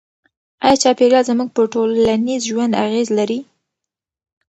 آیا چاپیریال زموږ په ټولنیز ژوند اغېز لري؟